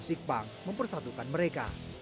musik punk mempersatukan mereka